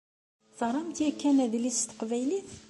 Teɣṛamt yakan adlis s teqbaylit?